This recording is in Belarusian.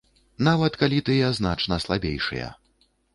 Нават калі тыя значна слабейшыя.